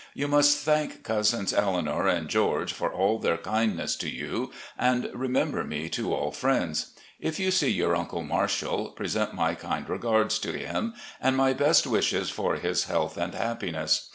You must thank Cousins Eleanor and George for all their kindness to you, and remember me to all friends. If you see your imcle Marshall, present my kind regards to him, and my best wishes for his health and happiness.